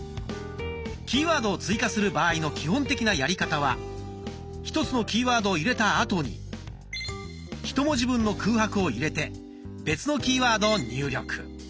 キーワードを追加する場合の基本的なやり方は１つのキーワードを入れたあとにひと文字分の空白を入れて別のキーワードを入力。